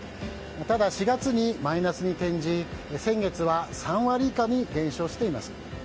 ただ、４月にマイナスに転じ先月は３割以下に減少しています。